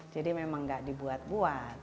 jadi memang gak dibuat buat